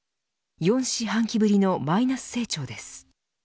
４四半期ぶりのマイナス成長です。